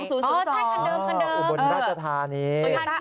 อุบลราชธานี้